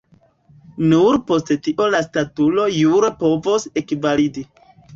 Nur post tio la statuto jure povos ekvalidi.